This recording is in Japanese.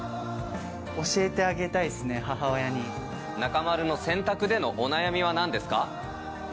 教えてあげたいですね、中丸の洗濯でのお悩みはなんですか。